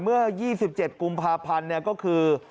เมื่อ๒๗กภก็คือ